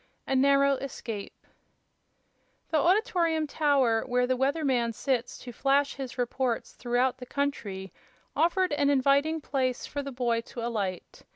A Narrow Escape The Auditorium Tower, where "the weather man" sits to flash his reports throughout the country, offered an inviting place for the boy to alight.